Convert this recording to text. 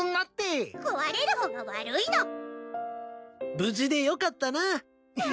無事でよかったな。